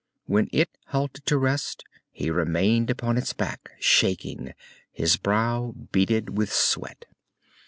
When it halted to rest he remained upon its back, shaking, his brow beaded with sweat.